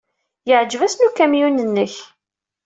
Yeɛjeb-asen ukamyun-nnek.